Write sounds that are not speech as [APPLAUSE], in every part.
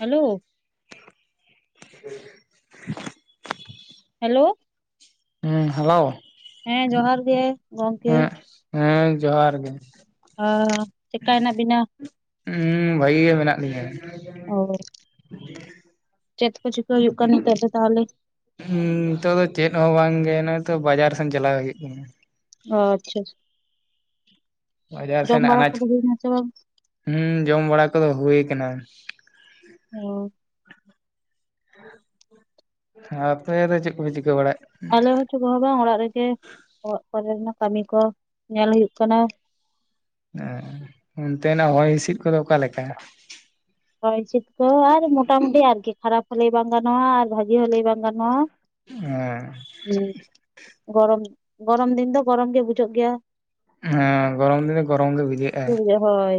Hello. [INAUDIBLE] Hello ᱦᱮᱸ hello ᱦᱮᱸ ᱡᱚᱦᱟᱨ ᱜᱮ᱾ ᱜᱚᱝᱠᱮ ᱦᱮᱸ ᱦᱮᱸ ᱡᱚᱦᱟᱨ ᱜᱮ᱾ ᱪᱤᱠᱟ ᱦᱮᱱᱟᱜ ᱵᱤᱱᱟ? ᱦᱮᱸ ᱵᱷᱟᱹᱜᱤ ᱜᱮ ᱢᱮᱱᱟᱜ ᱞᱤᱧᱟᱹ᱾ ᱚ ᱪᱮᱫ ᱠᱚ ᱪᱤᱠᱟᱹ ᱦᱩᱭᱩᱜ ᱠᱟᱱ ᱱᱤᱛᱚᱜ ᱫᱚ ᱛᱟᱦᱚᱞᱮ? ᱦᱮᱸ ᱱᱤᱛᱚᱜ ᱫᱚ ᱪᱮᱫ ᱦᱚᱸ ᱵᱟᱝᱜᱮ, ᱱᱚᱤᱛᱚ ᱵᱟᱡᱟᱨ ᱥᱮᱱ ᱪᱟᱞᱟᱣ ᱦᱩᱭᱩᱜ ᱠᱟᱱᱟ᱾ ᱚ ᱟᱪᱪᱷᱟ, ᱡᱚᱢ ᱵᱟᱲᱟ ᱠᱚᱫᱚ ᱦᱩᱭᱱᱟ ᱥᱮ ᱵᱟᱝ? ᱦᱩᱢ ᱡᱚᱢ ᱵᱟᱲᱟ ᱠᱚᱫᱚ ᱦᱩ ᱠᱟᱱᱟ᱾ [UNINTELLIGIBLE] ᱟᱯᱮ ᱫᱚ ᱪᱮᱫ ᱠᱚᱞᱮ ᱪᱤᱠᱟᱹ ᱵᱟᱲᱟᱭ ᱮᱫᱟ? ᱟᱞᱮ ᱦᱚᱸ ᱪᱮ ᱠᱚ ᱦᱚᱸ ᱵᱟᱝ ᱚᱲᱟᱜ ᱨᱮᱜᱮ ᱚᱲᱟᱜ ᱠᱚᱨᱮᱱᱟᱜ ᱠᱟᱹᱢᱤ ᱠᱚ ᱧᱮᱞ ᱦᱩᱭᱩᱜ ᱠᱟᱱᱟ᱾ ᱦᱮ ᱚᱱᱛᱮ ᱱᱟᱜ ᱦᱚᱭ ᱦᱤᱸᱥᱤᱫ ᱠᱚᱫᱚ ᱚᱠᱟ ᱞᱮᱠᱟ? ᱦᱚᱭ ᱦᱥᱤᱫ ᱠᱚ ᱟᱨ ᱢᱚᱴᱟᱢᱩᱴᱤ ᱟᱨᱠᱤ ᱠᱷᱟᱨᱟᱯ ᱦᱚ ᱞᱟᱹᱭ ᱵᱟᱝ ᱜᱟᱱᱚᱜᱼᱟ ᱟᱨ ᱵᱷᱟᱹᱜᱤ ᱦᱚᱞᱟᱹᱭ ᱵᱟᱝ ᱜᱟᱱᱚᱜᱼᱟ᱾ ᱦᱮᱸ ᱦᱮᱸ ᱜᱚᱨᱚᱢ ᱜᱚᱨᱚᱢ ᱫᱤᱱ ᱫᱚ ᱜᱚᱨᱚᱢ ᱜᱮ ᱵᱩᱡᱟᱹᱜ ᱜᱮᱭᱟ᱾ ᱦᱮᱸ ᱜᱚᱨᱚᱢ ᱫᱤᱱ ᱜᱚᱨᱚᱢ ᱜᱮ ᱵᱩᱡᱷᱟᱹᱜᱼᱟ᱾ ᱵᱩᱡᱷᱟᱹᱜ ᱦᱳᱭ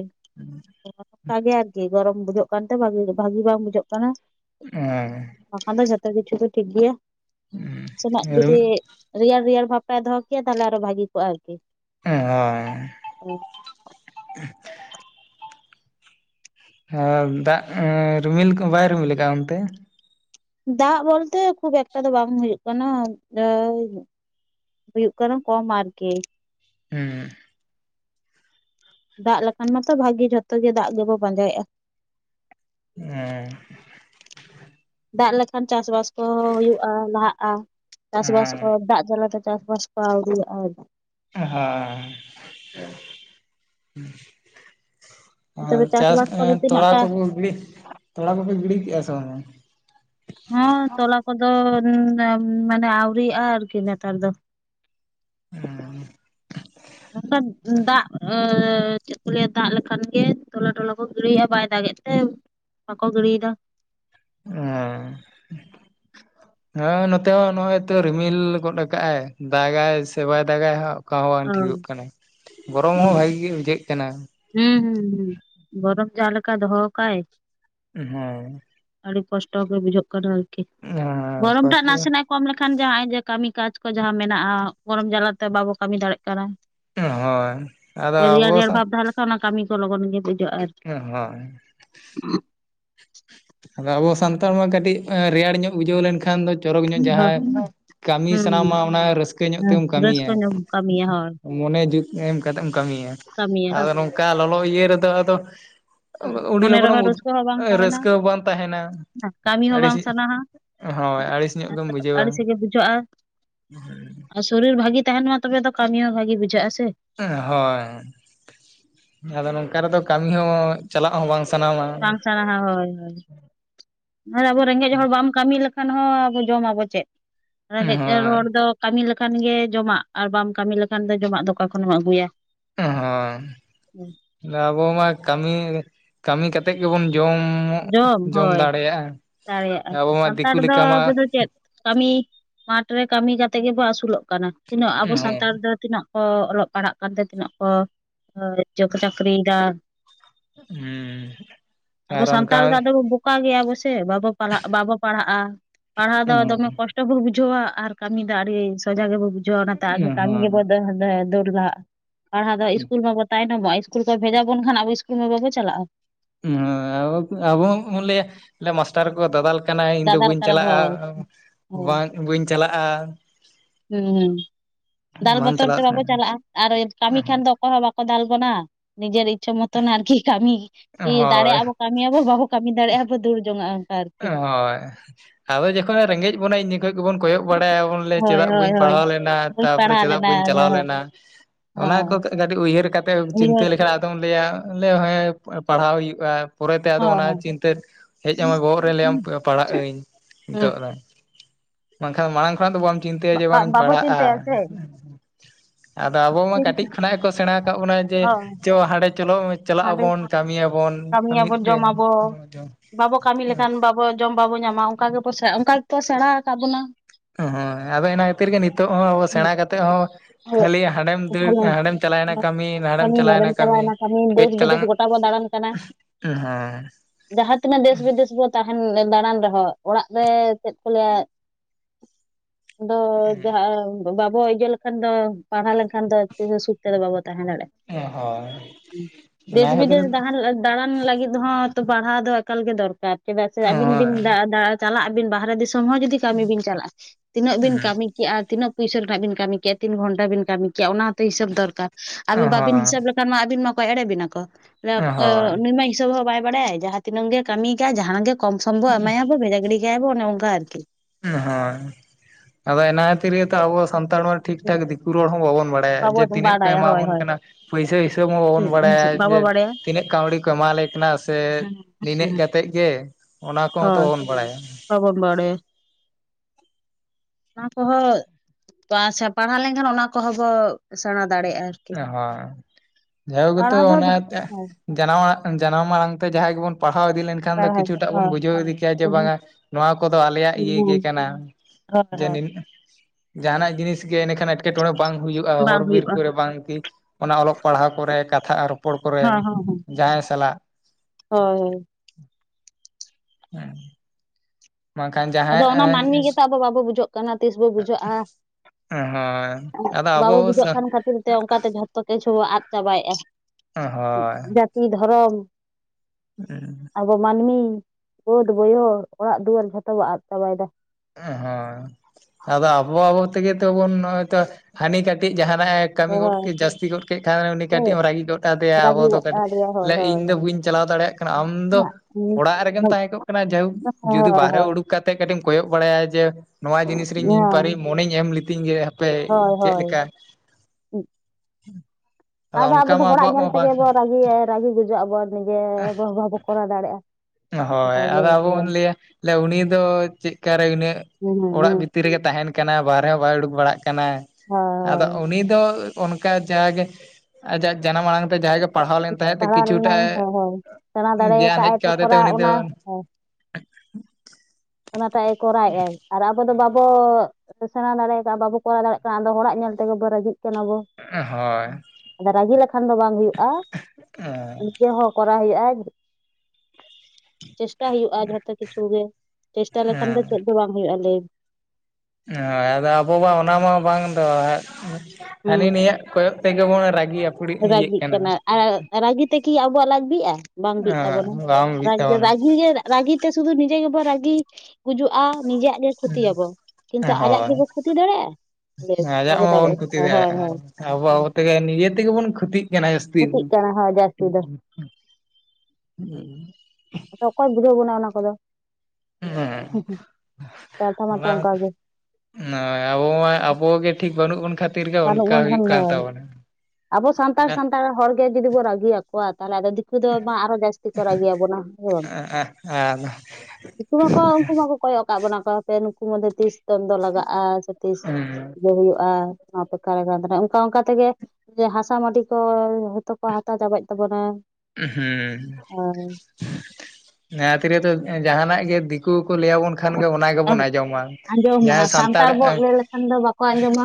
[UNINTELLIGIBLE] ᱜᱮ ᱟᱨᱠᱤ ᱜᱚᱨᱚᱢ ᱵᱩᱡᱷᱟᱹᱜ ᱠᱟᱱᱛᱮ ᱵᱷᱟᱹᱜᱤ ᱵᱟᱝ ᱵᱩᱡᱷᱟᱹᱜ ᱠᱟᱱᱟ᱾ [UNINTELLIGIBLE] ᱵᱟᱝ ᱠᱷᱟᱱ ᱫᱚ ᱡᱷᱚᱛᱚ ᱠᱤᱪᱷᱩ ᱫᱚ ᱴᱷᱤᱠ ᱜᱮᱭᱟ, ᱥᱮᱱᱚᱜ ᱨᱤᱢ ᱡᱩᱫᱤ ᱨᱮᱭᱟᱲ ᱨᱮᱭᱟᱲ ᱵᱷᱟᱵ ᱮ ᱫᱚᱦᱚ ᱠᱮᱭᱟ ᱛᱟᱦᱚᱞᱮ ᱟᱨᱚ ᱵᱷᱟᱹᱜᱤ ᱠᱚᱜᱼᱟ ᱟᱨᱠᱤ᱾ [UNINTELLIGIBLE] ᱦᱮᱸ ᱫᱟᱜ ᱨᱤᱢᱤᱞ ᱠᱚ ᱵᱟᱭ ᱨᱤᱢᱤᱞ ᱟᱠᱟᱫᱼᱟ ᱚᱱᱛᱮ? ᱫᱟᱜ ᱵᱚᱞᱛᱮ ᱠᱷᱩᱵ ᱮᱠᱴᱟ ᱫᱚ ᱵᱟᱝ ᱦᱩᱭᱩᱜ ᱠᱟᱱᱟ᱾ ᱦᱩᱭᱩᱜ ᱠᱟᱱᱟ ᱠᱚᱢ ᱟᱨᱠᱤ᱾ ᱦᱮᱸ ᱫᱟᱜ ᱞᱮᱠᱷᱟᱱ ᱢᱟᱛᱚ ᱵᱷᱟᱜᱤ ᱡᱷᱚᱛᱚ ᱜᱮ ᱫᱟᱜ ᱜᱮᱵᱚ ᱯᱟᱸᱡᱟᱭᱮᱫᱼᱟ᱾ ᱦᱮᱸ ᱫᱟᱜ ᱞᱮᱠᱷᱟᱱ ᱪᱟᱥᱵᱟᱥ ᱠᱚ ᱦᱩᱭᱩᱜᱼᱟ ᱞᱟᱦᱟᱜᱼᱟ ᱪᱟᱥᱵᱟᱥ ᱠᱚ ᱦᱮᱸ ᱫᱟᱜ ᱡᱟᱞᱟᱛᱮ ᱪᱟᱥ ᱵᱟᱥ ᱠᱚ ᱟᱹᱣᱨᱤᱭᱟ-ᱟ [INAUDIBLE] ᱦᱮᱸ ᱟᱨ ᱛᱚᱵᱮ ᱪᱟᱥ ᱪᱟᱥᱵᱟᱥ ᱠᱚᱫᱚ ᱛᱤᱱᱟᱹᱜ ᱛᱚᱲᱟ ᱴᱟ ᱠᱚᱠᱚ ᱜᱤᱰᱤ ᱛᱚᱲᱟ ᱠᱚᱠᱚ ᱜᱤᱰᱤ ᱠᱮᱫᱮᱜᱼᱟ ᱥᱮ ᱵᱟᱝ? ᱦᱮ ᱛᱚᱞᱟ ᱠᱚᱫᱚ ᱢᱟᱱᱮ ᱟᱣᱨᱤᱜᱼᱟ ᱟᱨᱠᱤ ᱱᱮᱛᱟᱨ ᱫᱚ᱾ ᱦᱮᱸ [INAUDIBLE] [INAUDIBLE] ᱫᱟᱜ ᱞᱮᱠᱷᱟᱱ ᱜᱮ ᱛᱚᱞᱟ ᱴᱚᱞᱟ ᱠᱚ ᱜᱤᱲᱤᱭᱮᱫᱼᱟ ᱵᱟᱭ ᱫᱟᱜ ᱮᱫ ᱛᱮ ᱵᱟᱠᱚ ᱜᱤᱲᱤᱭᱮᱫᱟ᱾ [UNINTELLIGIBLE] ᱦᱮᱸ ᱱᱚᱛᱮ ᱦᱚᱸ ᱱᱚᱜᱼᱚᱭ ᱛᱚ ᱨᱤᱢᱤᱞ ᱜᱚᱫ ᱠᱟᱜ ᱟᱭ ᱫᱟᱜᱟᱭ ᱥᱮ ᱵᱟᱭ ᱫᱟᱜᱟᱭ ᱦᱟᱸᱜ, ᱚᱠᱟ ᱦᱚᱸ ᱚ ᱵᱟᱝ ᱴᱷᱤᱠᱚᱜ ᱠᱟᱱᱟ, ᱜᱚᱨᱚᱢ ᱚ ᱦᱚᱸ ᱵᱷᱟᱜᱤ ᱜᱮ ᱵᱩᱡᱷᱟᱹᱜ ᱠᱟᱱᱟ᱾ ᱦᱩᱸ ᱦᱩᱸ ᱦᱩᱸ ᱜᱚᱨᱚᱢ ᱡᱟ ᱞᱮᱠᱟᱭ ᱫᱚᱦᱚ ᱠᱟᱜᱼᱟᱭ [UNINTELLIGIBLE] ᱟᱹᱰᱤ ᱠᱚᱥᱴᱚ ᱜᱮ ᱵᱩᱡᱷᱟᱹᱜ ᱠᱟᱱᱟ ᱟᱨᱠᱤ, ᱦᱮᱸ ᱜᱚᱨᱚᱢ ᱴᱟᱜ ᱱᱟᱥᱮᱱᱟᱜ ᱠᱚᱢ ᱞᱮᱠᱷᱟᱱ ᱡᱟᱦᱟᱸ ᱡᱮ ᱠᱟᱹᱢᱤ ᱠᱟᱡ ᱠᱚ ᱡᱟᱦᱟᱸ ᱢᱮᱱᱟᱜᱼᱟ ᱜᱚᱨᱚᱢ ᱡᱟᱞᱟᱛᱮ ᱵᱟᱵᱚ ᱠᱟᱹᱢᱤ ᱫᱟᱲᱮᱭᱟᱜ ᱠᱟᱱᱟ ᱦᱳᱭ ᱟᱫᱚ ᱦᱳᱭ ᱨᱮᱭᱟᱨ ᱟᱵᱚ ᱨᱮᱭᱟᱲ ᱥᱟᱱ ᱵᱷᱟᱵ ᱛᱟᱦᱮ ᱞᱮᱱᱠᱷᱟᱱ ᱚᱱᱟ ᱠᱟᱢᱤ ᱠᱚ ᱞᱚᱜᱚᱱ ᱜᱮ ᱟᱨᱠᱤ ᱦᱳᱭ [UNINTELLIGIBLE] ᱟᱫᱚ ᱟᱵᱚ ᱥᱟᱱᱛᱟᱲ ᱢᱟ ᱠᱟᱹᱴᱤᱡ ᱨᱮᱭᱟᱲ ᱧᱚᱜ ᱵᱩᱡᱷᱟᱹᱣ ᱞᱮᱱᱠᱷᱟᱱ ᱫᱚ ᱪᱚᱨᱚᱠ ᱧᱚᱜ ᱦᱚᱸ ᱡᱟᱦᱟᱸᱭ ᱠᱟᱹᱢᱤ ᱦᱩᱸ ᱥᱟᱱᱟᱢᱟ ᱚᱱᱟ ᱨᱟᱹᱥᱠᱟᱹ ᱧᱚᱜ ᱦᱮᱸ ᱛᱮᱢ ᱨᱟᱹᱥᱠᱟᱹ ᱠᱟᱹᱢᱤᱭᱟ᱾ ᱧᱚᱜ ᱠᱟᱹᱢᱤᱭᱟ ᱦᱚᱲ ᱢᱚᱱᱮ ᱡᱩᱛ ᱮᱢ ᱠᱟᱛᱮᱢ ᱠᱟᱹᱢᱤᱭᱟ᱾ ᱠᱟᱹᱢᱤᱭᱟ ᱠᱟ ᱞᱚᱞᱚ ᱤᱭᱟᱹ ᱨᱮᱫᱚ ᱟᱫᱚ ᱩᱰᱤ ᱢᱚᱱᱮ ᱞᱚᱜᱚᱱ ᱮᱢ ᱨᱮᱦᱚᱸ ᱫ ᱨᱟᱹᱥᱠᱟᱹ ᱦᱚᱸ ᱵᱟᱝ ᱨᱟᱹᱥᱼᱼ ᱛᱟᱦᱮᱱᱟ ᱨᱟᱹᱥᱠᱟᱹ ᱦᱚᱵᱟᱝ ᱛᱟᱦᱮᱱᱟ ᱠᱟᱹᱢᱤ ᱦᱚᱸ ᱵᱟᱝ ᱟᱹᱲᱤᱥᱤᱼᱼ ᱥᱟᱱᱟᱣᱟ ᱦᱳᱭ ᱟᱹᱲᱤᱥ ᱧᱚᱜ ᱜᱮᱢ ᱵᱩᱡᱷᱟᱹᱣᱟ ᱟᱹᱲᱤᱥ ᱦᱮᱸ ᱜᱮ ᱵᱩᱡᱷᱟᱹᱜᱼᱟ ᱟᱨ ᱥᱚᱨᱤᱨ ᱵᱷᱟᱜᱤ ᱛᱟᱦᱮᱱ ᱢᱟ ᱛᱚᱵᱮ ᱫᱚ ᱠᱟᱹᱢᱤ ᱦᱚᱸ ᱵᱷᱟᱜᱤ ᱵᱩᱡᱷᱟᱹᱜ ᱟᱥᱮ, ᱦᱳᱭ ᱟᱫᱚ ᱱᱚᱝᱠᱟ ᱨᱮᱫᱚ ᱠᱟᱹᱢᱤ ᱦᱚᱸ ᱪᱟᱞᱟᱜ ᱦᱚᱸ ᱵᱟᱝ ᱥᱮᱼᱼ [UNINTELLIGIBLE] ᱦᱳᱭ ᱦᱳᱭ ᱟᱨ ᱟᱵᱚ ᱨᱮᱸᱜᱮᱡ ᱦᱚᱲ ᱵᱟᱢ ᱠᱟᱹᱢᱤ ᱞᱮᱠᱷᱟᱱ ᱦᱚᱸ ᱟᱵᱚ ᱡᱚᱢᱟᱵᱚ ᱪᱮᱫ᱾ ᱨᱮᱸᱜᱮᱡ ᱛᱮ ᱦᱳᱭ ᱨᱚᱲ ᱫᱚᱼᱼ ᱠᱟᱹᱢᱤ ᱞᱮᱠᱷᱟᱱ ᱜᱮ ᱡᱚᱢᱟᱜ ᱟᱨ ᱵᱟᱢ ᱠᱟᱹᱢᱤ ᱞᱮᱠᱷᱟᱱ ᱫᱚ ᱡᱚᱢᱟᱜ ᱫᱚ ᱚᱠᱟ ᱠᱷᱚᱱᱮᱢ ᱟᱹᱜᱩᱭᱟ, ᱦᱳᱭ ᱦᱩᱸ ᱟᱵᱚ ᱢᱟ ᱠᱟᱹᱢᱤ ᱠᱟᱹᱢᱤ ᱠᱟᱛᱮᱜ ᱜᱮᱵᱚᱱ ᱡᱚᱢ᱾ ᱡᱚᱢ ᱦᱳᱭ ᱫᱟᱲᱮᱭᱟᱜᱼᱟ ᱟᱵᱚ ᱢᱟ ᱫᱤᱠᱩ ᱥᱟᱱᱛᱟᱲ ᱫᱚ ᱞᱮᱠᱟ ᱢᱟ ᱟᱵᱚ ᱫᱚ ᱪᱮᱫ, ᱠᱟᱹᱢᱤ ᱢᱟᱴᱷ ᱨᱮ ᱠᱟᱹᱢᱤ ᱠᱟᱛᱮ ᱜᱮᱵᱚ ᱟᱹᱥᱩᱞᱚᱜ ᱠᱟᱱᱟ ᱛᱤᱱᱟᱹᱜ ᱟᱵᱚ ᱦᱮᱸ ᱥᱟᱱᱛᱟᱲ ᱫᱚ ᱛᱤᱱᱟᱹᱜ᱾ ᱠᱚ ᱚᱞᱚᱜ ᱯᱟᱲᱦᱟᱜ ᱠᱟᱱᱛᱮ ᱛᱤᱱᱟᱹᱜ ᱠᱚ ᱪᱳᱠ ᱪᱟᱹᱠᱨᱤᱭᱫᱟ᱾ ᱦᱩᱸ ᱟᱵᱚ ᱟᱨ ᱚᱱᱠᱟ ᱥᱟᱱᱛᱟᱲ ᱫᱚ ᱟᱫᱚ ᱵᱚᱠᱟ ᱜᱮᱭᱟ ᱵᱚᱥᱮ ᱵᱟᱵᱚ ᱯᱟᱞᱦᱟᱜ ᱵᱟᱵᱚ ᱯᱟᱲᱦᱟᱜᱼᱟ ᱯᱟᱲᱦᱟᱣ ᱫᱚ ᱦᱳᱭ ᱫᱚᱢᱮ ᱠᱚᱥᱼᱼ ᱴᱚ ᱵᱚ ᱵᱩᱡᱷᱟᱹᱣᱟ ᱟᱨ ᱠᱟᱹᱢᱤ ᱫᱚ ᱟᱹᱰᱤ ᱥᱚᱡᱟ ᱜᱮᱵᱚ ᱵᱩᱡᱷᱟᱹᱣᱟ ᱚᱱᱟᱛᱮ ᱟᱜᱮ ᱠᱟᱹᱢᱤ ᱜᱮᱵᱚ ᱫᱟᱹᱲ ᱞᱟᱦᱟᱜᱼᱟ ᱯᱟᱲᱦᱟᱣ ᱫᱚ ᱤᱥᱠᱩᱞ ᱢᱟᱵᱚ ᱛᱟᱭᱱᱚᱢᱚᱜᱼᱟ ᱥᱤᱥᱠᱩᱞ ᱠᱚ ᱵᱷᱮᱡᱟ ᱵᱚᱱ ᱠᱷᱟᱱ ᱟᱵᱚ ᱤᱥᱠᱩᱞ ᱢᱟ ᱵᱟᱵᱚᱱ ᱪᱟᱞᱟᱜᱼᱟ ᱦᱩᱸ ᱟᱵᱚ ᱞᱟᱹᱭᱟ ᱢᱟᱥᱴᱟᱨ ᱠᱚ ᱫᱟᱫᱟᱞᱼᱼ ᱠᱟᱱᱟ ᱤᱧ ᱫᱚ ᱫᱟᱫᱟᱞ ᱵᱟᱹᱧ ᱠᱟᱱᱟ ᱠᱚ ᱪᱟᱞᱟᱜᱼᱟ ᱵᱟᱝ ᱵᱟᱹᱧ ᱪᱟᱞᱟᱜᱼᱟᱼᱼ ᱦᱮᱸ ᱫᱟᱞ ᱵᱚᱛᱚᱨ ᱛᱮ ᱵᱟᱵᱚ ᱥᱟᱱᱟᱧᱟ᱾ ᱪᱟᱞᱟᱜᱼᱟ ᱟᱨ ᱠᱟᱹᱢᱤ ᱠᱷᱟᱱ ᱫᱚᱼᱼ ᱚᱠᱚᱭ ᱦᱚᱸ ᱵᱟᱠᱚ ᱫᱟᱞ ᱵᱚᱱᱟ ᱱᱤᱡᱮᱨ ᱤᱪᱪᱷᱟᱹ ᱢᱚᱛᱚᱱ ᱟᱨᱠᱤ ᱠᱟᱹᱢᱤ ᱫᱟᱲᱮ ᱦᱳᱭ ᱟᱵᱚᱼᱼ ᱠᱟᱹᱢᱤᱭᱟᱵᱚ ᱵᱟᱵᱚ ᱠᱟᱹᱢᱤ ᱫᱟᱲᱮᱭᱟᱜᱼᱟ ᱵᱚ ᱫᱟᱹᱲ ᱡᱚᱝᱟᱜᱼᱟ ᱟᱨᱠᱤ ᱦᱳᱭ ᱟᱫᱚ ᱡᱚᱠᱷᱚᱱ ᱨᱮᱸᱜᱮᱡ ᱵᱚᱱᱟᱭ ᱤᱱᱟᱹ ᱠᱷᱚᱱ ᱜᱮᱵᱚᱱ ᱠᱚᱭᱚᱜ ᱵᱟᱲᱟᱭᱟ ᱟᱵᱚᱱ ᱞᱟᱹᱭᱟ ᱦᱳᱭ ᱪᱮᱫᱟᱜ ᱦᱳᱭ ᱵᱟᱹᱧ ᱦᱳᱭ ᱯᱟᱲᱦᱟᱣ ᱞᱮᱱᱟ ᱵᱟᱹᱧ ᱛᱟᱨᱯᱚᱨᱮ ᱪᱮᱫᱟᱜ ᱵᱟᱹᱧ ᱪᱟᱞᱟᱣ ᱞᱮᱱᱟᱼᱼ ᱦᱳᱭ ᱠᱟᱹᱴᱤᱡ ᱩᱭᱦᱟᱹᱨ ᱠᱟᱛᱮᱢ ᱪᱤᱱᱛᱟᱹ ᱞᱮᱠᱷᱟᱱ ᱟᱫᱚᱢ ᱞᱟᱹᱭᱟ ᱞᱟᱹᱭᱟᱢ ᱦᱮᱸ ᱯᱟᱲᱦᱟᱣ ᱦᱩᱭᱩᱜᱼᱟ, ᱯᱚᱨᱮᱛᱮ ᱟᱫᱚ ᱚᱱᱟ ᱦᱚᱸ ᱪᱤᱱᱛᱟᱹ ᱦᱮᱡ ᱟᱢᱟ ᱵᱚᱦᱚᱜ ᱨᱮ ᱞᱟᱹᱭᱟᱢ ᱦᱚᱸ ᱯᱟᱲᱦᱟᱜ ᱟᱹᱧ ᱦᱩᱸ ᱱᱤᱛᱚᱜ᱾ ᱵᱟᱝᱠᱷᱟᱱ ᱢᱟᱲᱟᱝ ᱠᱷᱚᱱᱟᱜ ᱫᱚ ᱵᱟᱢ ᱪᱤᱱᱛᱟᱹᱭᱟ ᱡᱮ ᱵᱟ ᱵᱟᱝ ᱤᱧ ᱵᱟᱵᱚ ᱯᱟᱲᱦᱟᱜᱼᱟ ᱪᱤᱱᱛᱟᱹᱭᱟ ᱥᱮ ᱟᱫᱚ ᱟᱵᱚ ᱢᱟ ᱪᱤᱱ ᱠᱟᱹᱴᱤᱡ ᱠᱷᱚᱱᱟᱜ ᱜᱮᱠᱚᱼᱼ ᱥᱮᱬᱟ ᱟᱠᱟᱫ ᱵᱚᱱᱟᱭ ᱡᱮ ᱦᱚᱸ ᱪᱚ ᱦᱟᱸᱰᱮ ᱪᱚᱞᱚ ᱪᱟᱞᱟᱜ ᱦᱟᱸᱰᱮ ᱟᱵᱚᱱ ᱠᱟᱹᱢᱤᱭᱟᱵᱚᱱ ᱵᱟᱹᱧ ᱠᱟᱹᱢᱤ ᱠᱟᱹᱢᱤᱭᱟᱵᱚ ᱛᱮ ᱡᱚᱢᱟᱵᱚ ᱟᱞᱚᱢᱟ ᱡᱚᱢ ᱵᱟᱵᱚ ᱠᱟᱹᱢᱤ ᱞᱮᱠᱷᱟᱱ ᱵᱟᱵᱚ ᱡᱚᱢ ᱵᱟᱵᱚ ᱧᱟᱢᱟ ᱚᱱᱠᱟ ᱜᱮᱵᱚ ᱥᱮ ᱚᱱᱠᱟ ᱜᱮᱠᱚ ᱥᱮᱬᱟ ᱟᱠᱟᱫ ᱵᱚᱱᱟ᱾ ᱦᱮᱸ ᱟᱫᱚ ᱤᱱᱟ ᱠᱷᱟᱹᱛᱤᱨ ᱜᱮ ᱱᱤᱛᱚᱜ ᱦᱚᱸ ᱟᱵᱚ ᱥᱮᱬᱟ ᱠᱟᱛᱮᱜ ᱦᱚᱸᱼᱼ ᱠᱷᱟᱹᱞᱤ ᱦᱟᱸᱰᱮᱢ ᱫᱟᱹᱲ ᱦᱟᱸᱰᱮᱢ ᱪᱟᱞᱟᱣᱮᱱᱟ ᱠᱟᱹᱢᱤ ᱦᱰᱮᱢ ᱠᱟᱹᱢᱤ ᱱᱚᱰᱮᱢ ᱪᱟᱞᱟᱣᱮᱱᱟ ᱠᱟᱹᱢᱤ ᱪᱟᱞᱟᱣᱱᱟ ᱠᱟᱹᱡ ᱫᱮᱥ ᱵᱤᱫᱮᱥ ᱪᱟᱞᱟᱝᱼᱼ ᱜᱚᱴᱟ ᱵᱚ ᱫᱟᱬᱟᱱ ᱠᱟᱱᱟ ᱦᱩᱸ ᱡᱟᱦᱟᱸ ᱛᱤᱱᱟᱹᱜ ᱫᱮᱥ ᱵᱤᱫᱮᱥ ᱵᱚ ᱛᱟᱦᱮᱱ, ᱫᱟᱬᱟᱱ ᱨᱮᱦᱚᱸ ᱚᱲᱟᱜ ᱨᱮ ᱪᱮᱫ ᱠᱚ ᱞᱟᱹᱭᱟᱼᱼ [INAUDIBLE] ᱟᱫᱚ ᱡᱟᱦᱟᱸ ᱵᱟᱵᱚ ᱤᱭᱟᱹ ᱞᱮᱠᱷᱟᱱ ᱫᱚ ᱯᱟᱲᱦᱟᱣ ᱞᱮᱱᱠᱷᱟᱱ ᱫᱚ ᱛᱤᱨᱮ ᱥᱩᱫ ᱛᱮᱫᱚ ᱵᱟᱵᱚ ᱛᱟᱦᱮᱸ ᱫᱟᱲᱮᱭᱟᱜᱼᱟ᱾ ᱦᱳᱭ ᱚᱱᱟ ᱫᱮᱥ ᱠᱷᱟᱹᱛᱤᱨ ᱵᱤᱫᱮᱥ ᱦᱳᱭ ᱫᱟᱦᱟᱱ ᱞᱟᱹᱜᱤᱫᱼᱼ ᱫᱟᱬᱟᱱ ᱞᱟᱹᱜᱤᱫ ᱦᱚᱸ ᱛᱚ ᱯᱟᱲᱦᱟᱣ ᱫᱚ ᱮᱠᱟᱞ ᱜᱮ ᱫᱚᱨᱠᱟᱨ, ᱪᱮᱫᱟᱜ ᱥᱮ ᱟᱹᱵᱤᱱ ᱵᱤᱱ ᱫᱟᱜᱼᱟ [INAUDIBLE] ᱪᱟᱞᱟᱜ ᱟᱵᱤᱱ ᱵᱟᱦᱨᱮ ᱫᱤᱥᱚᱢ ᱦᱚᱸ ᱡᱩᱫᱤ ᱠᱟᱹᱢᱤ ᱵᱤᱱ ᱪᱟᱞᱟᱜᱼᱟ, ᱛᱤᱱᱟᱹᱜ ᱵᱤᱱ ᱠᱟᱹᱢᱤ᱾ ᱠᱮᱜᱼᱟ ᱛᱤᱱᱟᱹᱜ ᱯᱩᱭᱥᱟᱹ ᱨᱮᱱᱟᱜ ᱵᱤᱱ ᱠᱟᱹᱢᱤ ᱠᱮᱜᱼᱟ, ᱛᱤᱱ ᱜᱷᱚᱱᱴᱟ ᱵᱤᱱ ᱠᱟᱹᱢᱤ ᱠᱮᱜᱼᱟ, ᱚᱱᱟ ᱦᱚᱸᱛᱚ ᱦᱤᱥᱟᱹᱵ ᱫᱚᱨᱠᱟᱨ᱾ ᱟᱫᱚ ᱦᱳᱭ ᱵᱟᱵᱤᱱ ᱦᱤᱥᱟᱹᱵ ᱞᱮᱠᱷᱟᱱ ᱢᱟ ᱟᱹᱵᱤᱱ ᱢᱟᱠᱚ ᱮᱲᱮ ᱵᱤᱱᱟ ᱠᱚᱼᱼ ᱦᱳᱭ ᱩᱱᱤ ᱢᱟ ᱦᱤᱥᱟᱹᱵ ᱦᱚᱸ ᱵᱟᱭ ᱵᱟᱲᱟᱭᱟ ᱡᱟᱦᱟᱸ ᱛᱤᱱᱟᱹᱜ ᱜᱮ ᱠᱟᱹᱢᱤ ᱠᱟᱜᱼᱟ, ᱡᱟᱦᱟᱱ ᱜᱮ ᱠᱚᱢ ᱥᱚᱢ ᱵᱚ ᱮᱢᱟᱭᱟ ᱵᱚ ᱵᱷᱮᱡᱟ ᱜᱤᱰᱤᱼᱼ ᱜᱮᱭᱟ ᱵᱚᱱ ᱚᱱᱠᱟ ᱟᱨᱠᱤ᱾ ᱦᱳᱭ, ᱟᱫᱚ ᱚᱱᱟ ᱠᱷᱟᱹᱛᱤᱨ ᱛᱚ ᱟᱵᱚ ᱥᱟᱱᱛᱟᱲ ᱦᱚᱲᱼᱼ ᱴᱷᱤᱠ ᱴᱷᱟᱠ ᱫᱤᱠᱩ ᱨᱚᱲ ᱦᱚᱸ ᱵᱟᱵᱚᱱ ᱵᱟᱲᱟᱭᱟ, ᱡᱮ ᱵᱟᱵᱚ ᱛᱤᱱᱟᱹᱜ ᱠᱚ ᱵᱟᱰᱟᱭᱟ ᱮᱢᱟ ᱦᱳᱭ ᱵᱚᱱ ᱦᱳᱭ ᱠᱟᱱᱟ, ᱯᱩᱭᱥᱟᱹ ᱦᱤᱥᱟᱹᱵ ᱦᱚᱸ ᱵᱟᱵᱚᱱ ᱵᱟᱲᱟᱭᱟ ᱵᱟᱵᱚ ᱡᱮᱼᱼ ᱵᱟᱲᱟᱭᱟ ᱛᱤᱱᱟᱹᱜ ᱠᱟᱹᱣᱰᱤ ᱠᱚ ᱮᱢᱟᱞᱮ ᱠᱟᱱᱟ, ᱥᱮ ᱦᱮᱸ ᱛᱤᱱᱟᱹᱜ ᱦᱮᱸ ᱠᱟᱛᱮᱜ ᱜᱮ ᱚᱱᱟ ᱠᱚᱦᱚᱸ ᱛᱚ ᱦᱳᱭ ᱵᱟᱵᱚᱱ ᱵᱟᱲᱟᱭᱟ᱾ ᱵᱟᱵᱚᱱ ᱵᱟᱲᱟᱭᱟ᱾ ᱚᱱᱟ ᱠᱚᱦᱚᱸ ᱵᱟᱝ ᱥᱮ ᱯᱟᱲᱦᱟᱣ ᱞᱮᱱᱠᱷᱟᱱ ᱚᱱᱟ ᱠᱚᱦᱚᱸ ᱠᱚ ᱥᱮᱬᱟ ᱫᱟᱲᱮᱭᱟᱜᱼᱟ᱾ ᱟᱨ ᱦᱚᱸ, ᱡᱟᱭᱦᱳᱠ ᱜᱮᱛᱚ ᱫᱚ ᱚᱱᱟᱛᱮ᱾ ᱦᱳᱭ ᱡᱟᱱᱟᱢ ᱟᱲ ᱡᱟᱱᱟᱢ ᱟᱲᱟᱝ ᱛᱮ ᱡᱟᱦᱟᱸᱭ ᱜᱮᱵᱚᱱ ᱯᱟᱲᱦᱟᱣ ᱤᱫᱤ ᱞᱮᱱ ᱠᱷᱟᱱ ᱫᱚ ᱯᱟᱲᱦᱟᱣ ᱠᱤᱪᱷᱩᱴᱟᱜ ᱵᱚᱱ ᱦᱳᱭ ᱵᱩᱡᱷᱟᱹᱣ ᱤᱫᱤ ᱠᱮᱭᱟ ᱡᱮ, ᱵᱩᱡᱷᱟᱹᱣ ᱵᱟᱝᱟ ᱱᱚᱣᱟ ᱠᱚᱫᱚ ᱟᱞᱮᱭᱟᱜ ᱤᱭᱟᱹ ᱜᱮ ᱠᱟᱱᱟ᱾ ᱦᱳᱭ ᱡᱮ ᱦᱳᱭ ᱱᱤᱱ ᱡᱟᱸᱦᱟᱱᱟᱜ ᱡᱤᱱᱤᱥ ᱜᱮ ᱮᱱᱮᱠᱷᱟᱱ ᱮᱴᱠᱮᱴᱚᱬᱮ ᱵᱟᱝ ᱦᱩᱭᱩᱜ-ᱟ, ᱦᱚᱨ ᱵᱟᱝ ᱵᱤᱨ ᱦᱩᱭᱩᱜᱼᱟ ᱠᱚᱨᱮ ᱵᱟᱝ᱾ ᱠᱤ ᱚᱱᱟ ᱚᱞᱚᱜ ᱯᱟᱲᱦᱟᱣ ᱠᱚᱨᱮ, ᱠᱟᱛᱷᱟ ᱨᱚᱯᱚᱲ ᱠᱚᱨᱮ ᱦᱮᱸ ᱦᱮᱸ ᱦᱮᱸ ᱡᱟᱦᱟᱸᱭ ᱥᱟᱞᱟᱜ᱾ ᱦᱳᱭ ᱦᱳᱭ᱾ ᱦᱮᱸ᱾ ᱵᱟᱝᱠᱷᱟᱱ ᱟᱫᱚ ᱚᱱᱟ ᱢᱟᱹᱱᱢᱤ ᱡᱟᱦᱟᱸᱭ ᱜᱮᱛᱚ ᱟᱵᱚ ᱵᱟᱵᱚ ᱵᱩᱡᱷᱟᱹᱜ ᱠᱟᱱᱟ ᱛᱤᱥ ᱵᱚ ᱵᱩᱡᱷᱟᱹᱜᱼᱟ? ᱦᱳᱭ ᱟᱫᱚ ᱟᱵᱚ ᱵᱟᱵᱚ ᱵᱩᱡᱷᱟᱹᱜ ᱦᱳᱭ ᱠᱟᱱ ᱠᱷᱟᱹᱛᱤᱨ ᱛᱮ ᱚᱱᱠᱟ ᱛᱮ ᱡᱷᱚᱛ ᱡᱚᱛᱛᱚ ᱠᱤᱪᱷᱩ ᱵᱚ ᱟᱫ ᱪᱟᱵᱟᱭᱮᱜᱼᱟ ᱦᱳᱭ ᱡᱟᱹᱛᱤ ᱫᱷᱚᱨᱚᱢ᱾ ᱦᱮᱸ᱾ ᱟᱵᱚ ᱢᱟᱹᱱᱢᱤ ᱵᱟᱹᱫᱽ ᱵᱟᱹᱭᱦᱟᱹᱲ ᱚᱲᱟᱜ ᱫᱩᱣᱟᱹᱨ ᱡᱷᱚᱛᱚ ᱵᱚ ᱟᱫ ᱪᱟᱵᱟᱭᱮᱫᱟ᱾ ᱦᱚᱸ, ᱟᱫᱚ ᱟᱵᱚ ᱟᱵᱚ ᱛᱮᱜᱮ ᱛᱚᱵᱚᱱ ᱱᱚᱜ-ᱚᱭ ᱛᱚ ᱦᱟᱹᱱᱤ ᱠᱟᱹᱴᱤᱡ ᱡᱟᱦᱟᱸᱱᱟᱜ ᱮ ᱠᱟᱹᱢᱤ ᱦᱳᱭ ᱜᱚᱫ ᱦᱳᱭ ᱠᱮᱫ ᱡᱟᱹᱥᱛᱤ ᱜᱚᱫ ᱠᱮᱫ ᱠᱷᱟᱱ ᱩᱱᱤ ᱠᱟᱹᱴᱤᱡ ᱮᱢ ᱨᱟᱹᱜᱤ ᱜᱚᱫ ᱟᱫᱮᱭᱟ, ᱪᱮᱫ ᱟᱵᱚ ᱨᱟᱹᱜᱤ ᱫᱚ ᱜᱚᱫ ᱟᱫᱮᱭᱟ ᱦᱳᱭ ᱠᱟᱹᱴᱤᱡᱮ ᱦᱳᱭ ᱤᱧ ᱫᱚ ᱦᱳᱭ ᱵᱟᱹᱧ ᱪᱟᱞᱟᱣ ᱫᱟᱲᱮᱭᱟᱜ ᱟᱢ ᱫᱚ ᱚᱲᱟᱜ ᱨᱮᱜᱮᱢ ᱛᱟᱦᱮᱸ ᱠᱚᱜ ᱠᱟᱱᱟ ᱡᱟᱭᱦᱳᱠ ᱡᱩᱫᱤ ᱵᱟᱨᱦᱮ ᱩᱰᱩᱠ ᱠᱟᱛᱮ ᱠᱟᱹᱴᱤᱡ ᱮᱢ ᱠᱚᱭᱚᱜ ᱵᱟᱲᱟᱭᱟ ᱡᱮ ᱱᱚᱣᱟ ᱡᱤᱱᱤᱥ ᱨᱮ ᱤᱧ ᱯᱟᱨᱤ ᱢᱚᱱᱮᱧ ᱮᱢ ᱞᱤᱛᱤᱧ ᱜᱮ᱾ ᱯᱮ ᱦᱳᱭ ᱦᱳᱭ ᱪᱮᱫ ᱦᱳᱭ ᱞᱮᱠᱟ? ᱟᱫᱚ ᱟᱵᱚ ᱚᱱᱠᱟ ᱫᱚ ᱢᱟ ᱦᱚᱲᱟᱜ ᱟᱵᱚᱣᱟᱜ ᱢᱟ ᱧᱮᱞ ᱵᱟᱝ ᱛᱮᱜᱮ ᱵᱚᱱ ᱨᱟᱹᱜ ᱤᱭᱟᱹ ᱨᱟᱹᱜᱤ ᱜᱩᱡᱩᱜ-ᱟ ᱵᱚ᱾ ᱱᱤᱡᱮ ᱡᱮ ᱵᱟ ᱵᱚ ᱠᱚᱨᱟᱣ ᱫᱟᱲᱮᱜ-ᱟ᱾ ᱦᱳᱭ, ᱟᱫᱚ ᱟᱵᱚ ᱵᱚᱱ ᱞᱟᱹᱭᱟ ᱩᱱᱤ ᱫᱚ ᱪᱮᱫᱠᱟᱨᱮ ᱩᱱᱟᱹᱜ ᱦᱩᱸ ᱚᱲᱟᱜ ᱦᱩᱸ ᱵᱷᱤᱛ ᱛᱤᱨ ᱨᱮᱜᱮ ᱛᱟᱦᱮᱱ ᱠᱟᱱᱟ ᱵᱟᱨᱦᱮ ᱦᱚᱸ ᱵᱟᱭ ᱩᱰᱩᱠ ᱵᱟᱲᱟᱜ ᱠᱟᱱᱟ᱾ ᱟᱫᱚ ᱦᱳᱭ ᱩᱱᱤ ᱫᱚ ᱚᱱᱠᱟ ᱡᱟᱜᱮ ᱟᱡᱟᱜ ᱡᱟᱱᱟᱢ ᱟᱲᱟᱝ ᱛᱮ ᱡᱟᱦᱟᱸ ᱜᱮ ᱯᱟᱲᱦᱟᱣ ᱞᱮᱱ ᱛᱟᱦᱮᱸᱫ ᱛᱮ ᱯᱟᱲᱦᱟᱣ ᱞᱮᱱᱟᱭ, ᱦᱳᱭ ᱠᱤᱪᱷᱩᱴᱟᱜ ᱦᱳᱭ, ᱥᱮᱬᱟ ᱫᱟᱲᱮ ᱜᱮᱭᱟᱱ ᱦᱮᱡ ᱟᱠᱟᱜ-ᱟᱭ ᱯᱮ ᱠᱟᱣᱫᱮ ᱛᱮ ᱠᱚᱨᱟᱣ ᱩᱱᱤ ᱫᱚ ᱚᱱᱟ ᱦᱳᱭ᱾ ᱚᱱᱟᱴᱟᱜ-ᱮ ᱠᱚᱨᱟᱣᱮᱜ-ᱟᱭ᱾ ᱟᱨ ᱟᱵᱚ ᱫᱚ ᱵᱟᱵᱚ ᱥᱮᱬᱟ ᱫᱟᱲᱮᱭ ᱠᱟᱜ-ᱟ, ᱵᱟᱵᱚ ᱠᱚᱨᱟᱣ ᱫᱟᱲᱮᱭᱟᱜ ᱠᱟᱱᱟ, ᱟᱫᱚ ᱦᱚᱲᱟᱜ ᱧᱮᱞ ᱛᱮᱜᱮᱵᱚ ᱨᱟᱹᱜᱤᱜ ᱠᱟᱱᱟ ᱵᱚ᱾ ᱦᱳᱭ᱾ ᱟᱫᱚ ᱨᱟᱹᱜᱤ ᱞᱮᱠᱷᱟᱱ ᱫᱚ ᱵᱟᱝ ᱦᱩᱭᱩᱜ-ᱟ, ᱤᱭᱟᱹ ᱦᱚᱸ ᱠᱚᱨᱟᱣ ᱦᱩᱭᱩᱜᱼᱟ, ᱪᱮᱥᱴᱟᱭ ᱦᱩᱭᱩᱜᱼᱟ ᱡᱷᱚᱛᱚ ᱠᱤᱪᱷᱩ ᱜᱮ᱾ ᱪᱮᱥᱴᱟ ᱞᱮᱠᱷᱟᱱ ᱫᱚ ᱪᱮᱫ ᱫᱚ ᱵᱟᱝ ᱦᱩᱭᱩᱜ-ᱟ ᱞᱟᱹᱭ᱾ ᱦᱳᱭ, ᱟᱫᱚ ᱟᱵᱚ ᱢᱟ ᱚᱱᱟ ᱢᱟ ᱵᱟᱝ ᱫᱚ ᱦᱩᱸ ᱦᱟᱹᱱᱤ ᱱᱟᱹᱭᱟᱜ᱾ ᱠᱚᱭᱚᱜ ᱛᱮᱜᱮ ᱵᱚᱱ ᱨᱟᱜᱤᱜ-ᱟ᱾ ᱨᱟᱹᱜᱤᱜ ᱠᱟᱱᱟ ᱟᱨ ᱨᱟᱹᱜᱤ ᱛᱮ ᱠᱤ ᱟᱵᱚᱣᱟᱜ ᱞᱟᱹᱡ ᱵᱤᱜ-ᱟ? ᱵᱟᱢ ᱵᱤᱜ ᱛᱟᱵᱚᱱᱟ᱾ ᱦᱮᱸ ᱵᱟᱝ ᱵᱤᱜ ᱨᱟᱡ ᱛᱟᱵᱚᱱᱟ ᱨᱟᱹᱜᱤ ᱜᱮ ᱨᱟᱹᱜᱤ ᱛᱮ ᱥᱩᱫᱷᱩ ᱱᱤᱡᱮ ᱜᱮᱵᱚᱱ ᱨᱟᱹᱜᱤ ᱜᱩᱡᱩᱜᱼᱟ ᱱᱤᱡᱮᱭᱟᱜ ᱜᱮ ᱠᱷᱩᱛᱤᱭᱟᱵᱚ᱾ ᱠᱤᱱᱛᱩ ᱟᱡᱟᱜ ᱦᱳᱭ ᱜᱮᱵᱚ ᱠᱷᱩᱛᱤ ᱫᱟᱲᱮᱭᱟᱜ-ᱟ ᱵᱮᱥ ᱟᱡᱟᱜ ᱵᱟᱵᱚ ᱢᱟᱵᱚᱱ ᱠᱷᱚᱛᱤ ᱫᱟᱲᱮᱭᱟᱜᱼᱟ᱾ ᱦᱳᱭ ᱦᱳᱭ᱾ ᱟᱵᱚ ᱦᱳᱭ ᱟᱵᱚ ᱛᱮᱜᱮ ᱱᱤᱡᱮ ᱛᱮᱜᱮ ᱵᱚᱱ ᱠᱷᱩᱛᱤᱜ ᱠᱟᱱᱟ ᱡᱟᱹᱥᱛᱤ ᱦᱩᱸ, ᱠᱷᱚᱛᱤᱜ ᱦᱩᱸ ᱠᱟᱱᱟ ᱦᱳᱭ ᱡᱟᱹᱥᱛᱤ ᱫᱚ ᱦᱩᱸ ᱦᱩᱸ, ᱦᱩᱸ᱾ ᱟᱪᱪᱷᱟ ᱚᱠᱚᱭ ᱵᱩᱡᱷᱟᱹᱣ ᱵᱚᱱᱟᱭ ᱚᱱᱟ ᱠᱚᱫᱚ ᱦᱮᱸ ᱠᱟᱛᱷᱟ ᱢᱟᱛᱚ ᱚᱝᱠᱟ ᱜᱮ᱾ ᱱᱚᱜ-ᱚᱭ ᱟᱵᱚ ᱢᱟ, ᱟᱵᱚᱜᱮ ᱴᱷᱤᱠ ᱵᱟᱹᱱᱩᱜ ᱵᱚᱱ ᱠᱷᱟ ᱵᱟᱹᱱᱩᱜ ᱵᱚᱱ ᱠᱷᱟᱱ ᱦᱳᱭ᱾ ᱟᱵᱚ ᱥᱟᱱᱛᱟᱲ ᱟᱫᱚ ᱥᱟᱱᱛᱟᱲ ᱦᱚᱲᱜᱮ ᱡᱩᱫᱤ ᱵᱚᱱ ᱨᱟᱹᱜᱤᱭᱟᱠᱚᱣᱟ ᱛᱟᱦᱚᱞᱮ ᱟᱫᱚ ᱫᱤᱠ ᱩᱱᱠᱩ ᱫᱚ ᱵᱟᱝ ᱟᱨᱦᱚᱸ ᱡᱟᱹᱥᱛᱤ ᱠᱚ ᱨᱟᱹᱜᱤ ᱭᱟᱵᱚᱱᱟ ᱦᱳᱭ᱾ ᱩᱱᱠᱩ ᱢᱟᱠᱚ ᱩᱱᱠᱩ ᱢᱟᱠᱚ ᱠᱚᱭᱚᱜ ᱟᱠᱟᱫ ᱵᱚᱱᱟ ᱠᱚ ᱦᱟᱯᱮ ᱱᱩᱠᱩ ᱢᱚᱫᱽᱫᱷᱮ ᱛᱤᱥ ᱥᱩᱛᱟᱹᱢ ᱫᱚ ᱞᱟᱜᱟᱜ-ᱟ ᱥᱮ ᱛᱤᱥ ᱦᱩᱭᱩᱜ-ᱟ? ᱚᱱᱟ ᱯᱮᱠᱟᱨᱮ ᱠᱟᱱ ᱛᱟᱦᱮᱱᱟ ᱚᱝᱠᱟ ᱚᱝᱠᱟ ᱛᱮᱜᱮ ᱡᱮ ᱦᱟᱥᱟ ᱢᱟᱹᱴᱤ ᱠᱚ ᱦᱳᱭᱛᱚ ᱠᱚ ᱦᱟᱛᱟᱣ ᱪᱟᱵᱟᱭᱮᱫ ᱛᱟᱵᱚᱱᱟ᱾ ᱦᱩᱸ᱾ ᱮᱸ ᱛᱤ ᱨᱮᱫᱚ ᱡᱟᱸᱦᱟᱱᱟᱜ ᱜᱮ ᱫᱤᱠᱩ ᱠᱚ ᱞᱟᱹᱭᱟᱵᱚᱱ ᱠᱷᱟᱱ ᱜᱮ ᱚᱱᱟ ᱟᱨ ᱜᱮᱵᱚᱱ ᱟᱸᱡᱚᱢᱟ ᱟᱸᱡᱚᱢ ᱡᱟᱦᱟᱸᱭ ᱥᱟᱱᱛᱟᱲ ᱵᱚᱱ ᱞᱟᱹᱭ ᱞᱮᱠᱷᱟᱱ ᱫᱚ ᱵᱟᱠᱚ ᱟᱸᱡᱚᱢᱟ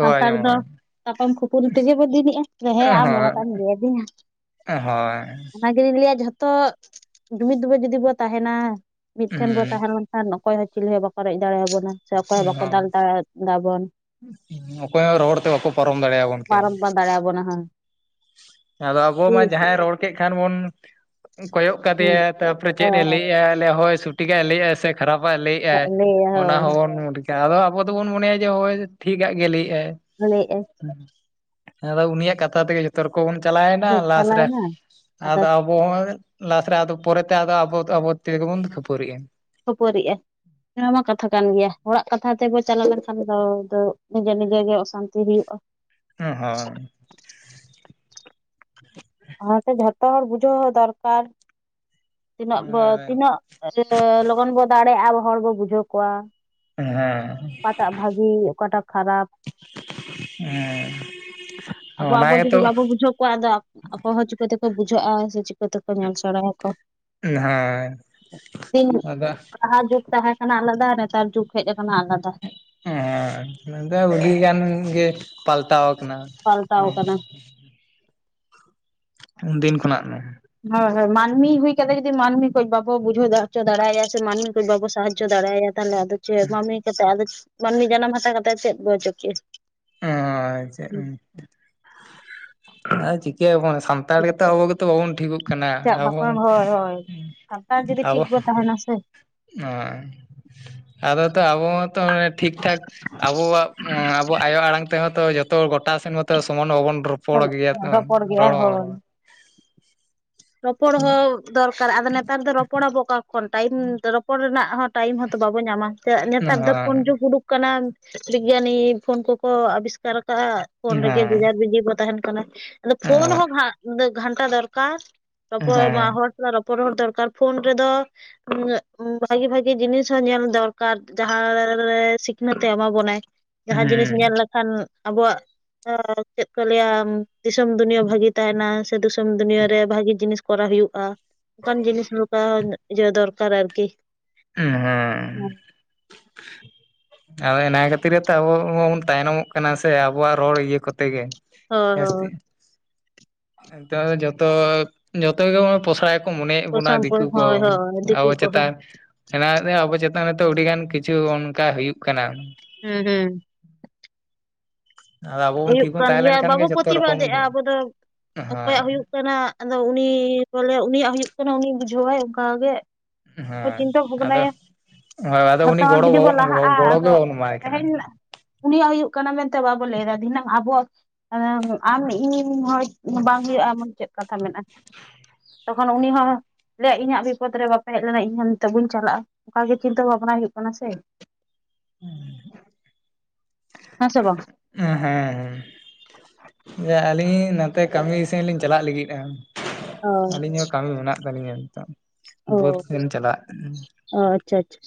ᱥᱟᱱᱛᱟᱲ ᱫᱚ [UNINTELLIGIBLE] ᱛᱟᱯᱟᱢ ᱠᱷᱩᱯᱩᱨᱤ ᱛᱮᱜᱮ ᱵᱚᱱ ᱫᱤᱱᱤᱜ-ᱟ ᱦᱮᱸ ᱟᱢ ᱚᱱᱟᱴᱟᱜ ᱦᱳᱭ ᱮᱢ ᱞᱟᱹᱭ ᱟᱫᱤᱧᱟ ᱦᱳᱭ ᱫᱚᱧ ᱞᱟᱹᱭ ᱟ ᱡᱷᱚᱛᱚ ᱫᱩᱢᱤᱫ ᱫᱩᱢᱤᱡ ᱡᱩᱫᱤ ᱵᱚ ᱛᱟᱦᱮᱱᱟ ᱦᱩᱸ ᱢᱤᱫᱴᱷᱮᱱ ᱵᱚ ᱛᱟᱦᱮᱸᱱᱟ ᱢᱤᱫ ᱞᱮᱱᱠᱷᱟ ᱟᱨ ᱚᱠᱚᱭ ᱦᱚᱸ ᱪᱤᱞᱤ ᱦᱚᱸ ᱵᱟᱠᱚ ᱨᱮᱡ ᱫᱟᱲᱮ ᱟᱵᱚᱱᱟ ᱥᱮ ᱚᱠᱚᱭ ᱦᱚᱸ ᱵᱟᱠᱚ ᱦᱳᱭ ᱫᱟᱞ ᱫᱟᱲᱮ ᱫᱟᱵᱚᱱ ᱚᱠᱚᱭ ᱦᱚᱸ ᱨᱚᱲ ᱛᱮ ᱵᱟᱠᱚ ᱯᱟᱨᱚᱢ ᱫᱟᱲᱮᱭᱟᱵᱚᱱ ᱠᱮ ᱯᱟᱨᱚᱢ ᱵᱟᱝ ᱫᱟᱲᱮᱭᱟᱵᱚᱱᱟ ᱦᱮᱸ ᱟᱫᱚ ᱟᱵᱚ ᱡᱟᱸᱦᱟᱭ ᱨᱚᱲ ᱠᱮᱫ ᱠᱷᱟᱱ ᱵᱚᱱ ᱠᱚᱭᱚᱜ ᱠᱟᱫᱮᱭᱟ ᱛᱟᱯᱚᱨᱮ ᱦᱳᱭ ᱪᱮᱫ ᱮ ᱞᱟᱹᱭ ᱮ-ᱟ ᱦᱚᱭ ᱥᱚᱴᱤᱠᱮ ᱞᱟᱹᱭ ᱮᱜ-ᱟ ᱥᱮ ᱠᱷᱟᱨᱟᱯᱟᱭ ᱞᱟᱹᱭ ᱮᱜᱟᱭ ᱞᱟᱹᱭᱟ ᱚᱱᱟ ᱦᱳᱭ ᱦᱚᱸᱵᱚᱱ ᱟᱫᱚ ᱟᱵᱚ ᱫᱚᱵᱚᱱ ᱢᱚᱱᱮᱭᱟ ᱡᱮ ᱦᱚᱭ ᱴᱷᱤᱠ ᱟᱜ ᱜᱮ ᱞᱟᱹᱭᱮᱜ ᱟᱭ ᱢᱟᱱᱮ ᱮ ᱟᱭ᱾ ᱟᱫᱚ ᱩᱱᱤᱭᱟᱜ ᱠᱟᱛᱷᱟ ᱛᱮᱜᱮ ᱡᱚᱛᱚ ᱨᱚᱠᱚᱢ ᱵᱚᱱ ᱪᱟᱞᱟᱣᱮᱱᱟ ᱚᱠᱚᱭ ᱞᱟᱥ ᱨᱮ ᱪᱟᱞᱟᱣᱮᱱᱟ ᱟᱫᱚ ᱯᱚᱭ ᱞᱟᱥ ᱨᱮ ᱟᱫᱚ ᱯᱚᱨᱮᱛᱮ ᱟᱫᱚ ᱟᱵᱚ ᱟᱵᱚ ᱛᱮᱜᱮᱵᱚᱱ ᱠᱷᱟᱹᱯᱟᱹᱨᱤᱜ-ᱟ᱾ ᱠᱷᱟᱹᱯᱟᱹᱨᱤᱜ-ᱟ ᱱᱚᱣᱟᱢᱟ ᱠᱟᱛᱷᱟ ᱠᱟᱱ ᱜᱮᱭᱟ ᱦᱚᱲᱟᱜ ᱠᱟᱛᱷᱟ ᱛᱮᱵᱚ ᱪᱟᱞᱟᱣ ᱞᱮᱱᱠᱷᱟᱱ ᱫᱚ ᱟᱫᱚ ᱱᱤᱡᱮ ᱱᱤᱡᱮ ᱜᱮ ᱚᱥᱟᱱᱛᱤ ᱦᱩᱭᱩᱜ-ᱟ᱾ ᱦᱩᱸ ᱦᱚᱭ ᱚᱱᱟᱛᱮ ᱡᱷᱚᱛᱚ ᱦᱚᱲ ᱵᱩᱡᱷᱟᱹᱣ ᱦᱚᱸ ᱫᱚᱨᱠᱟᱨ ᱛᱤᱱᱟᱹᱜ ᱵᱟᱹ ᱦᱳᱭ ᱛᱤᱱᱟᱹᱜ ᱥᱮ ᱞᱚᱜᱚᱱ ᱵᱚ ᱫᱟᱲᱮᱭᱟᱜ-ᱟ ᱟᱵᱚ ᱦᱚᱲ ᱵᱚ ᱵᱩᱡᱷᱟᱹᱣ ᱠᱚᱣᱟ᱾ ᱦᱮᱸ ᱚᱠᱟᱴᱟᱜ ᱵᱷᱟᱹᱜᱤ ᱚᱠᱟᱴᱟᱜ ᱠᱷᱟᱨᱟᱯ ᱦᱮᱸ ᱟᱵᱚ ᱚᱱᱟ ᱟᱵᱚ ᱜᱮᱛᱚ ᱡᱩᱫᱤ ᱵᱟᱵᱚᱱ ᱵᱩᱡᱷᱟᱹᱣ ᱠᱚᱣᱟ ᱟᱫᱚ ᱟᱠᱚ ᱦᱚᱸ ᱪᱩᱠᱟᱹ ᱛᱮᱠᱚ ᱵᱩᱡᱟᱹᱜ-ᱟ ᱥᱮ ᱪᱮᱫ ᱡᱚᱛᱚᱠᱚ ᱠᱚ ᱧᱮᱞ ᱥᱮᱬᱟᱭᱟᱠᱚ ᱦᱮᱸ ᱟᱫᱚ ᱞᱟᱦᱟ ᱡᱩᱜᱽ ᱛᱟᱦᱮᱸ ᱠᱟᱱᱟ ᱟᱞᱮᱫᱟ ᱱᱮᱛᱟᱨ ᱡᱩᱜᱽ ᱦᱮᱡ ᱠᱟᱱᱟ ᱟᱞᱟᱫᱟ ᱦᱮᱸ ᱫᱚ ᱱᱚᱰᱮ ᱟᱹᱰᱤ ᱜᱟᱱ ᱜᱮ ᱯᱟᱞᱴᱟᱣ ᱠᱟᱱᱟ᱾ ᱯᱟᱞᱴᱟᱣ ᱠᱟᱱᱟ ᱩᱱᱫᱤᱱ ᱠᱷᱚᱱᱟᱜ ᱢᱮ ᱦᱳᱭ ᱦᱳᱭ ᱢᱟᱹᱱᱢᱤ ᱦᱩᱭ ᱠᱟᱛᱮ ᱡᱩᱫᱤ ᱢᱟᱹᱱᱢᱤ ᱠᱷᱚᱡ ᱵᱟᱵᱚ ᱵᱩᱡᱷᱟᱹᱣ ᱫᱟᱲᱮ ᱦᱚᱪᱚ ᱫᱟᱲᱟᱭᱟ ᱥᱮ ᱢᱟᱹᱱᱢᱤ ᱠᱚ ᱵᱟᱵᱚ ᱥᱟᱦᱟᱡᱚ ᱫᱟᱲᱮᱟᱭᱟ ᱛᱟᱦᱚᱞᱮ ᱟᱫᱚ ᱪᱮᱫ ᱢᱟᱹᱱᱢᱤ ᱠᱟᱛᱮᱫ ᱟᱫᱚ ᱢᱟᱹᱱᱢᱤ ᱡᱟᱱᱟᱢ ᱦᱟᱛᱟᱣ ᱠᱟᱛᱮᱫ ᱪᱮᱫ ᱵᱚ ᱚᱪᱚ ᱠᱮᱫ-ᱟ᱾ ᱦᱚᱭ ᱪᱮᱫ ᱮᱢ ᱪᱮᱫ ᱦᱚᱸ ᱥᱟᱱᱛᱟᱲ ᱜᱮ ᱛᱚ ᱟᱵᱚ ᱜᱮᱛᱚ ᱵᱟᱵᱚᱱ ᱴᱷᱤᱠᱩᱜ ᱠᱟᱱᱟ ᱪᱮᱫ ᱟᱵᱚ ᱵᱟᱠᱚ ᱦᱳᱭ ᱦᱳᱭ ᱥᱟᱱᱛᱟᱲ ᱡᱩᱫᱤ ᱟᱵᱚ ᱴᱷᱤᱠ ᱵᱚ ᱛᱟᱦᱮᱱᱟ ᱥᱮ ᱦᱮᱸ ᱟᱫᱚ ᱛᱚ ᱟᱵᱚ ᱛᱚ ᱢᱟᱱᱮ ᱴᱷᱤᱠ ᱴᱷᱟᱠ ᱟᱵᱚᱣᱟᱜ ᱟᱵᱚᱣᱟᱜ ᱟᱭᱳ ᱟᱲᱟᱝ ᱛᱮᱦᱚᱸ ᱛᱚ ᱡᱚᱛᱚ ᱜᱚᱴᱟᱱ ᱥᱮᱱ ᱢᱚᱛᱚ ᱥᱚᱢᱟᱱ ᱦᱚᱸ ᱵᱟᱵᱚᱱ ᱨᱚ ᱨᱚᱯᱚᱲ ᱜᱮᱭᱟ ᱦᱳᱭ ᱨᱚᱯᱚᱲ ᱦᱮᱸ ᱦᱚᱸ ᱫᱚᱨᱠᱟᱨ ᱟᱫᱚ ᱱᱮᱛᱟᱨ ᱫᱚ ᱨᱚᱯᱚᱲ ᱟᱵᱚ ᱚᱠᱟ ᱴᱟᱭᱤᱢ ᱨᱚᱯᱚᱲ ᱨᱮᱱᱟᱜ ᱦᱚᱸ ᱴᱟᱭᱤᱢ ᱦᱚᱸᱛᱚ ᱵᱟᱵᱚ ᱧᱟᱢᱟ ᱥᱮ ᱱᱮᱛᱟᱨ ᱫᱚ ᱯᱷᱚᱱ ᱡᱩᱜᱽ ᱩᱰᱩᱠ ᱠᱟᱱᱟᱢ ᱵᱤᱜᱽᱜᱟᱱᱤ ᱯᱷᱳᱱ ᱠᱚᱠᱚ ᱟᱵᱤᱥᱠᱟᱨ ᱠᱟᱜ-ᱟ ᱯᱷᱳᱱ ᱦᱮᱸ ᱨᱮᱜᱮ ᱵᱮᱡᱟᱨ ᱵᱤᱡᱤᱨ ᱛᱟᱦᱮᱱ ᱠᱟᱱᱟ ᱟᱫᱚ ᱯᱷᱳᱱ ᱜᱷᱟᱱ ᱦᱚᱸ ᱜᱷᱟᱱᱴᱟ ᱫᱚᱨᱠᱟᱨ ᱨᱚᱯᱚᱲ ᱢᱟ ᱦᱮᱸ ᱦᱚᱲ ᱨᱚᱯᱚᱨ ᱦᱚᱲ ᱫᱚᱨᱠᱟᱨ ᱯᱷᱳᱱ ᱨᱮᱫᱚ ᱵᱷᱟᱜᱤ ᱵᱷᱟᱜᱤ ᱡᱤᱱᱤᱥ ᱦᱚᱸ ᱧᱮᱞ ᱫᱚᱨᱠᱟᱨ ᱡᱟᱦᱟᱸ ᱨᱮ ᱥᱤᱠᱷᱱᱟᱹᱛ ᱮ ᱮᱢᱟ ᱵᱚᱱᱟᱭ ᱡᱟᱦᱟᱸ ᱡᱤᱱᱤᱥ ᱧᱮᱞ ᱞᱮᱠᱷᱟᱱ ᱟᱵᱚᱣᱟᱜ ᱪᱮᱫ ᱠᱚ ᱞᱟᱹᱭ ᱟ ᱫᱤᱥᱚᱢ ᱫᱩᱱᱤᱭᱟᱹ ᱵᱷᱟᱹᱜᱤ ᱛᱟᱦᱮᱱᱟ ᱥᱮ ᱫᱤᱥᱚᱢ ᱫᱩᱱᱤᱭᱟᱹ ᱨᱮ ᱵᱷᱟᱜᱤ ᱡᱤᱱᱤᱥ ᱠᱚᱨᱟᱣ ᱦᱩᱭᱩᱜ-ᱟ᱾ ᱚᱱᱠᱟᱱ ᱡᱤᱱᱤᱥ ᱱᱚᱝᱠᱟ ᱤᱭᱟᱹ ᱫᱚᱨᱠᱟᱨ ᱟᱨᱠᱤ ᱦᱮᱸ ᱦᱸ [UNINTELLIGIBLE] ᱟᱫᱚ ᱚᱱᱟ ᱠᱷᱟᱹᱛᱤᱨ ᱨᱮᱛᱚ ᱟᱵᱚᱵᱚᱱ ᱛᱟᱭᱱᱚᱢᱚᱜ ᱠᱟᱱᱟ ᱥᱮ ᱟᱵᱚᱣᱟᱜ ᱨᱚᱲ ᱤᱭᱟᱹ ᱠᱚᱛᱮ ᱜᱮ ᱦᱳᱭ ᱦᱮ ᱡᱚᱛᱚ ᱡᱚᱛᱚ ᱜᱮ ᱯᱚᱥᱲᱟᱭ ᱢᱚᱱᱮᱭᱮᱫ ᱦᱳᱭ ᱵᱚᱱᱟ ᱥᱟᱢᱯᱩᱨ ᱫᱤᱠᱩ ᱠᱚ ᱦᱳᱭ ᱦᱳᱭ ᱫᱤᱠᱩ ᱟᱵᱚ ᱠᱚᱦᱚᱸ ᱪᱮᱛᱟᱱ ᱦᱮᱱᱟᱜ ᱟᱵᱚ ᱪᱮᱛᱟᱱ ᱨᱮᱛᱚ ᱟᱹᱰᱤᱜᱟᱱ ᱠᱤᱪᱷᱩ ᱚᱱᱠᱟ ᱦᱩᱭᱩᱜ ᱠᱟᱱᱟ ᱦᱩᱸ ᱦᱩᱸ ᱟᱫᱚ ᱟᱵᱚ ᱵᱚᱱ ᱦᱩᱭᱩᱜ ᱴᱷᱤᱠ ᱵᱚᱱ ᱠᱟᱱ ᱛᱟᱦᱮᱸ ᱞᱮᱱ ᱜᱮᱭᱟ, ᱠᱷᱟᱱ ᱜᱮ ᱵᱟᱵᱚ ᱡᱚᱛᱚ ᱨᱚᱠᱚᱢ ᱯᱨᱚᱛᱤᱵᱟᱫᱮᱜᱼᱟ ᱦᱮᱸ ᱟᱵᱚ ᱫᱚ, ᱚᱠᱚᱭᱟᱜ ᱦᱩᱭᱩᱜ ᱠᱟᱱᱟ, ᱟᱫᱚ ᱩᱱᱤ ᱵᱚᱞᱮ ᱩᱱᱤᱭᱟᱜ ᱦᱩᱭᱩᱜ ᱠᱟᱱᱟ ᱩᱱᱤ ᱵᱩᱡᱷᱟᱹᱣᱟᱭ ᱚᱱᱠᱟᱜ ᱜᱮ᱾ ᱦᱮᱸ ᱠᱳ ᱪᱤᱱᱛᱟᱹ ᱟᱫᱚ ᱵᱷᱟᱵᱽᱱᱟᱭᱟ᱾ ᱦᱳᱭ ᱟᱫᱚ ᱩᱱᱤ ᱡᱷᱚᱛᱚᱼᱚᱜ ᱜᱚᱲᱚ ᱡᱩᱫᱤ ᱵᱟᱵᱚᱱ ᱵᱚᱱ ᱞᱟᱦᱟᱜᱼᱟ, ᱜᱚᱲᱚ ᱜᱮ ᱟᱫᱚ᱾ ᱵᱟᱵᱚᱱ ᱮᱢᱟᱭ ᱠᱟᱱᱟ [UNINTELLIGIBLE] ᱩᱱᱤᱭᱟᱜ ᱦᱩᱭᱩᱜ ᱠᱟᱱᱟ ᱢᱮᱱᱛᱮ ᱵᱟᱵᱚ ᱞᱟᱹᱭᱫᱟ, ᱫᱷᱤᱱᱟᱹᱝ ᱟᱵᱚ ᱮᱸ ᱟᱢ ᱤᱧ ᱦᱚᱲ ᱵᱟᱝ ᱦᱩᱭᱩᱜᱼᱟ ᱮᱢᱚᱱ ᱪᱮᱫ ᱠᱟᱛᱷᱟ ᱢᱮᱱᱟᱜᱼᱟ, ᱛᱚᱠᱷᱚᱱ ᱩᱱᱤ ᱦᱚᱸ ᱞᱟᱹᱭᱟ ᱤᱧᱟᱹᱜ ᱵᱤᱯᱚᱫ ᱨᱮ ᱵᱟ ᱵᱟᱯᱮ ᱦᱮᱡ ᱞᱮᱱᱟ ᱤᱧ ᱦᱚᱸ ᱱᱤᱛᱚᱜ ᱵᱟᱧ ᱪᱟᱞᱟᱜᱼᱟ, ᱚᱱᱠᱟ ᱜᱮ ᱪᱤᱱᱛᱟᱹ ᱵᱷᱟᱵᱱᱟᱭ ᱦᱩᱭᱩᱜ ᱠᱟᱱᱟ ᱥᱮ᱾ [INAUDIBLE] ᱦᱮᱸ ᱥᱮ ᱵᱟᱸᱝ? ᱟᱸ ᱦᱮᱸᱢ, ᱟᱹᱞᱤᱧ ᱱᱚᱛᱮ ᱠᱟᱹᱢᱤ ᱥᱮᱱ ᱞᱤᱧ ᱪᱟᱞᱟᱜ ᱞᱟᱹᱜᱤᱫᱜᱼᱟ᱾ ᱚ ᱟᱹᱞᱤᱧ ᱦᱚᱸ ᱠᱟᱹᱢᱤ ᱢᱮᱱᱟᱜ ᱛᱟᱹᱟᱞᱞᱤᱧᱟ, ᱱᱤᱛᱚᱜ᱾ ᱚ ᱵᱟᱹᱫ ᱥᱮᱱ ᱪᱟᱞᱟᱜ᱾ ᱟᱪᱪᱷᱟ ᱟᱪᱪᱷᱟ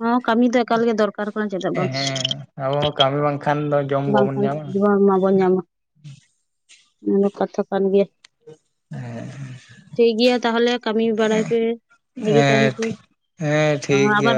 ᱦᱚᱸ ᱠᱟᱹᱢᱤ ᱫᱚ ᱮᱠᱟᱞ ᱜᱮ ᱫᱚᱨᱠᱟᱨ ᱠᱟᱱᱟ ᱪᱮᱫᱟᱜ ᱮᱸ ᱵᱟᱝ ᱦᱮᱸ ᱟᱵᱚ ᱢᱟ ᱠᱟᱹᱢᱤ ᱵᱟᱝ ᱵᱟᱝᱠᱷᱟᱱ ᱫᱚ ᱡᱚᱢ ᱵᱟᱵᱚᱱ ᱧᱟᱢᱟ᱾ ᱡᱚᱢ ᱵᱟᱵᱚᱱ ᱧᱟᱢᱟ᱾ [INAUDIBLE] ᱚᱱᱟ ᱫᱚ ᱠᱟᱛᱷᱟ ᱠᱟᱱ ᱜᱮ᱾ ᱦᱮᱸ᱾ ᱴᱷᱤᱠ ᱜᱮᱭᱟ ᱛᱟᱦᱚᱞᱮ ᱠᱟᱹᱢᱤ ᱵᱟᱲᱟᱭ ᱯᱮ, ᱵᱷᱟᱜᱤ ᱛᱟᱦᱮᱱ ᱦᱮᱸ ᱯᱮ᱾ ᱴᱷᱤᱠ ᱦᱮᱸ, ᱦᱚᱸ ᱴᱷᱤᱠ ᱜᱮᱭᱟ᱾ ᱟᱵᱟᱨ